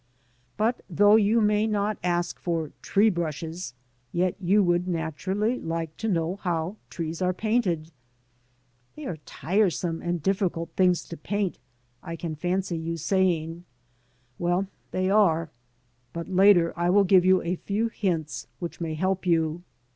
But though you may not ask for '* tree brushes,'' yet you would naturally like to know how trees are painted. " They are such tire some and difficult things to paint," I can fancy you saying. Well, they are. But later I will g^ve you a few hints which may help you.